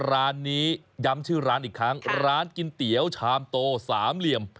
ร้านนี้ย้ำชื่อร้านอีกครั้งร้านกินเตี๋ยวชามโตสามเหลี่ยม